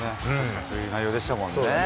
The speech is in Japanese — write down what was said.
そういう内容でしたもんね。